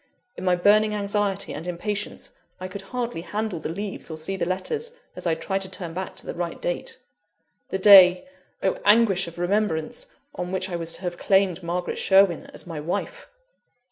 In my burning anxiety and impatience I could hardly handle the leaves or see the letters, as I tried to turn back to the right date the day (oh anguish of remembrance!) on which I was to have claimed Margaret Sherwin as my wife!